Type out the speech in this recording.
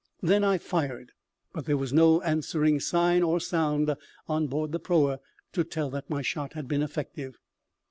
Then I fired, but there was no answering sign or sound on board the proa to tell that my shot had been effective.